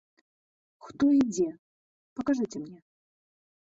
Хто і дзе, пакажыце мне?